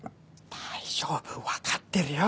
大丈夫わかってるよ！